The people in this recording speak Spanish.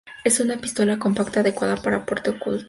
Es una pistola compacta adecuada para porte oculto.